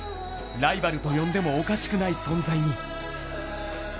ライバルと呼んでもおかしくない存在に。